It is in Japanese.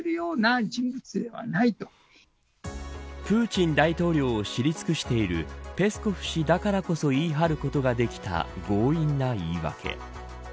プーチン大統領を知り尽くしているペスコフ氏だからこそ言い張ることができた強引な言い訳。